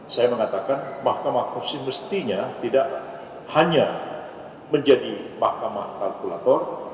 saya mengatakan mahkamah konstitusi mestinya tidak hanya menjadi mahkamah kalkulator